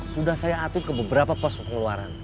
sudah saya atur ke beberapa pos pengeluaran